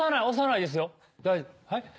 はい？